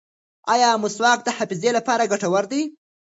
ایا مسواک د حافظې لپاره ګټور دی؟